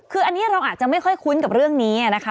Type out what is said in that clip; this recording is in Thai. คืออันนี้เราอาจจะไม่ค่อยคุ้นกับเรื่องนี้นะคะ